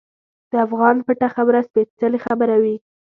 د افغان پټه خبره سپیڅلې خبره وي.